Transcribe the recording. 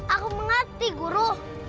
aku mengerti guru